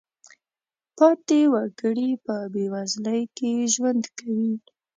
پاتې وګړي په بېوزلۍ کې ژوند کوي.